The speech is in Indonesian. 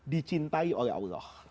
dicintai oleh allah